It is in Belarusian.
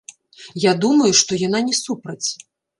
Я думаю, што яна не супраць.